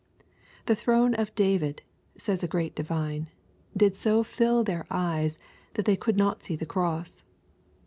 " The throne of David," says a great divine, "did so fill their eyes that they could not see the cross."